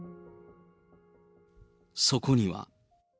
そこには。